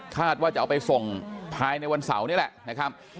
ว่าจะเอาไปส่งภายในวันเสาร์นี่แหละนะครับ